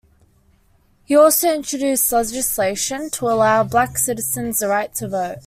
He also introduced legislation to allow black citizens the right to vote.